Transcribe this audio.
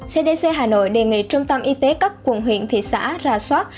cdc hà nội đề nghị trung tâm y tế các quận huyện thị xã ra soát